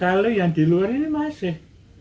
kalau yang di luar ini masih